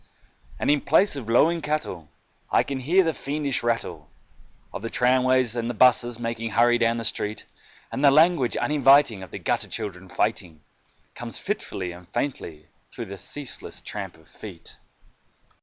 And in place of lowing cattle, I can hear the fiendish rattle Of the tramways and the buses making hurry down the street; And the language uninviting of the gutter children fighting Comes fitfully and faintly through the ceaseless tramp of feet.